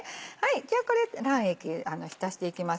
じゃあこれ卵液へ浸していきます